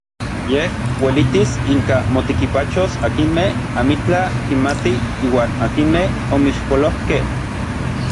Yej uelitis inka motekipachos akinmej amitlaj kimatij iuan akinmej omixpolojkej.